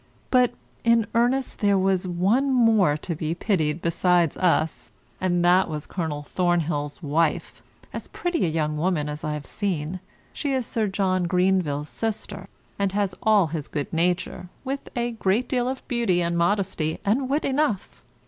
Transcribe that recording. But, in earnest, there was one more to be pitied besides us, and that was Colonel Thornhill's wife, as pretty a young woman as I have seen. She is Sir John Greenvil's sister, and has all his good nature, with a great deal of beauty and modesty, and wit enough.